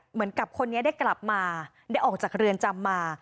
เหมือนกับคนนี้ได้กลับมาได้ออกจากเรือนจำมา